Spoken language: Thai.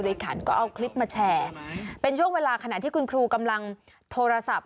ขันก็เอาคลิปมาแชร์เป็นช่วงเวลาขณะที่คุณครูกำลังโทรศัพท์